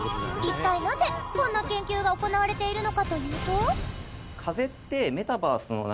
一体なぜこんな研究が行われているのかというと。